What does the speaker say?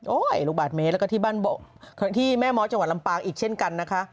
ลูกบาทเมตรแล้วก็ที่บ้านที่แม่ม้อยจังหวัดลำปางอีกเช่นกันนะคะ